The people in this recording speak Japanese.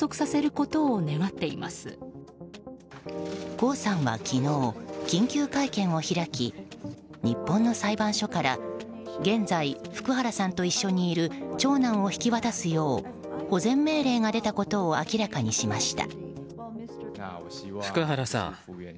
江さんは昨日、緊急会見を開き日本の裁判所から現在、福原さんと一緒にいる長男を引き渡すよう保全命令が出たことを明らかにしました。